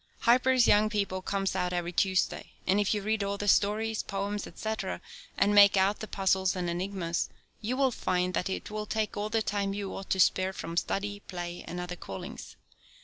Harper's Young People comes out every Tuesday; and if you read all the stories, poems, etc., and make out the puzzles and enigmas, you will find that it will take all the time you ought to spare from study, play, and other callings.